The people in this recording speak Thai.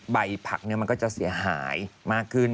ใบผักมันก็จะเสียหายมากขึ้น